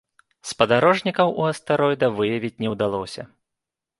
Спадарожнікаў у астэроіда выявіць не ўдалося.